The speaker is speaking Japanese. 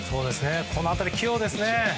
この辺り、器用ですね。